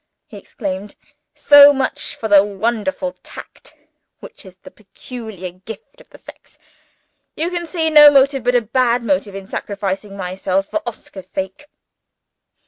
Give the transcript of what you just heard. he exclaimed. "So much for the wonderful tact which is the peculiar gift of the sex! You can see no motive but a bad motive in my sacrificing myself for Oscar's sake?"